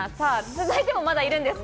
続いても、まだいるんです。